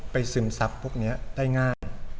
ซึมซับพวกนี้ได้ง่าย